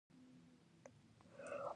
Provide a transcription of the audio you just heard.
څه خواري یې راوستلې ده.